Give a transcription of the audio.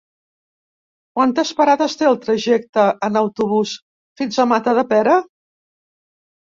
Quantes parades té el trajecte en autobús fins a Matadepera?